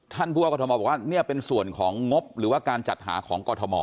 ท่านผู้ว่ากรทมบอกว่าเนี่ยเป็นส่วนของงบหรือว่าการจัดหาของกรทม